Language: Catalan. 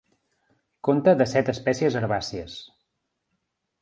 Conta de set espècies herbàcies.